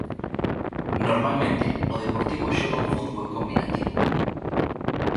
Normalmente o Deportivo xoga un fútbol combinativo.